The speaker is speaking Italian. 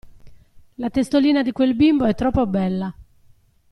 La testolina di quel bimbo è troppo bella!